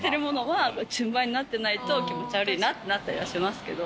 なってないと気持ち悪いなってなったりはしますけど。